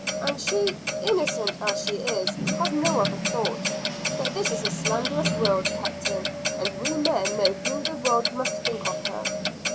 And she, innocent as she is, has no other thought. But this is a slanderous world, Captain, and we men who know the world, must think for her."